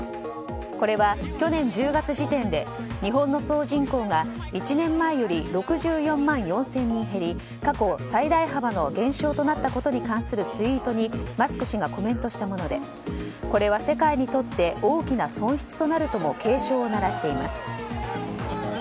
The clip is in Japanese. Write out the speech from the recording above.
これは去年１０月時点で日本の総人口が１年前より６４万４０００人減り過去最大幅の減少となったことに関するツイートにマスク氏がコメントしたものでこれは世界にとって大きな損失となるとも警鐘を鳴らしています。